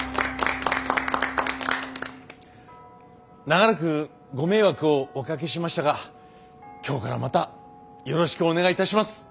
・長らくご迷惑をおかけしましたが今日からまたよろしくお願いいたします。